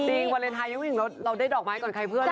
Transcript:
จริงวาเลนไทยยังไม่มีรถเราได้ดอกไม้ก่อนใครเพื่อนเลย